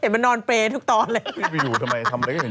เป็นพี่โว้นไฮโซอรินอลเลย